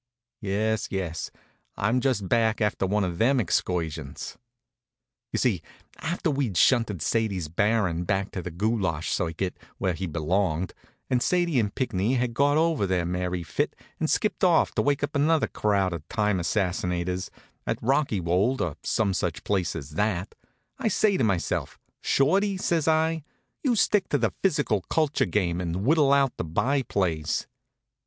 Yes, yes, I'm just back after one of them excursions. You see, after we'd shunted Sadie's Baron back on to the goulash circuit, where he belonged, and Sadie and Pinckney had got over their merry fit and skipped off to wake up another crowd of time assassinators, at Rockywold, or some such place as that, I says to myself, "Shorty," says I, "you stick to the physical culture game and whittle out the by plays."